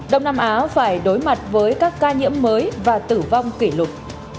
đông nam á phải đối mặt với các ca nhiễm mới và tử vong kỷ lục